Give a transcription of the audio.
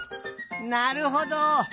なるほど！